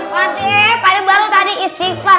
pade pade baru tadi istighfar